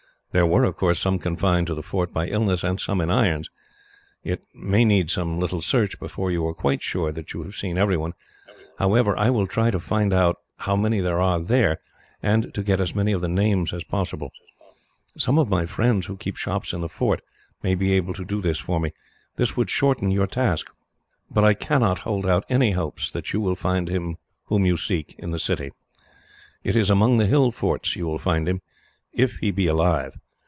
There were, of course, some confined to the fort by illness, and some in irons. It may need some little search, before you are quite sure that you have seen every one. However, I will try to find out how many there are there, and to get as many of the names as possible. Some of my friends, who keep shops in the fort, may be able to do this for me. This would shorten your task. "But I cannot hold out any hopes that you will find him whom you seek in the city. It is among the hill forts you will find him, if he be alive.